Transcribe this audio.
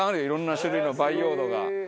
いろんな種類の培養土が。